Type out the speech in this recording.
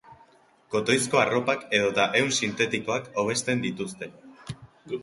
Kotoizko arropak edota ehun sintetikoak hobesten dituzte.